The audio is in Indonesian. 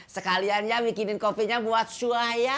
sekalian ya bikinin kopinya buat sua ya